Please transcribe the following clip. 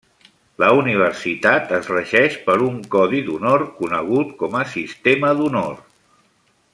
La universitat es regeix per un codi d'honor, conegut com a Sistema d'Honor.